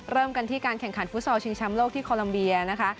เริ่มกันที่การแข่งขันฟุตซอลชิงแชมป์โลกที่โคลัมเบียนะคะ